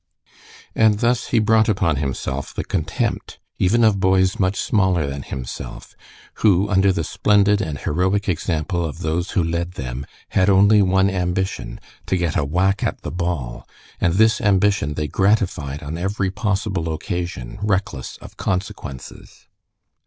And thus he brought upon himself the contempt even of boys much smaller than himself, who, under the splendid and heroic example of those who led them, had only one ambition, to get a whack at the ball, and this ambition they gratified on every possible occasion reckless of consequences.